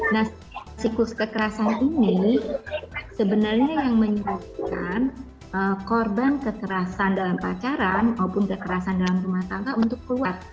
nah siklus kekerasan ini sebenarnya yang menyebabkan korban kekerasan dalam pacaran maupun kekerasan dalam rumah tangga untuk keluar